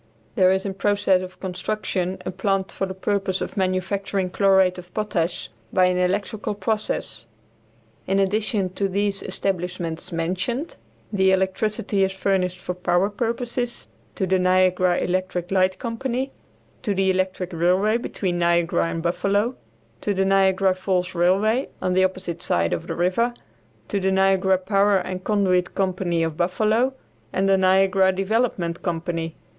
There is in process of construction a plant for the purpose of manufacturing chlorate of potash by an electrical process. In addition to these establishments mentioned, the electricity is furnished for power purposes to the Niagara Electric Light Company; to the electric railway between Niagara and Buffalo; to the Niagara Falls Railway, on the opposite side of the river; to the Niagara Power and Conduit Company of Buffalo, and the Niagara Development Company.